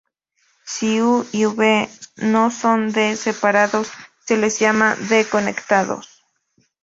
Si "U" y "V" no son "d"-separados, se les llama "d"-conectado.